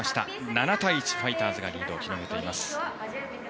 ７対１、ファイターズがリードを広げています。